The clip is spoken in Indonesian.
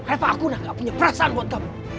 reva aku gak punya perasaan buat kamu